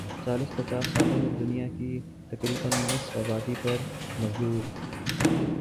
چالیس پچاس سالوں میں دنیا کی تقریبا نصف آبادی پر مزدور